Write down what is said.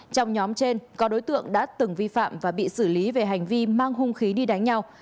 trong nhóm trên có đối tượng đã từng vi phạm và bị xử lý về hành vi mang hung khí đi đánh nhau